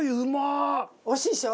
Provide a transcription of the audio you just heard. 平野：おいしいでしょ？